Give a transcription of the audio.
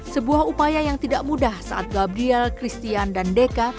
sebuah upaya yang tidak mudah saat gabriel christian dan deka